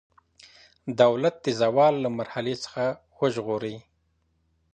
دولت د زوال له مرحلې څخه وژغورئ.